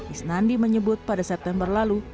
isnandi menyebut pada september lalu